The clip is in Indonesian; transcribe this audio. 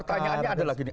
pertanyaannya adalah begini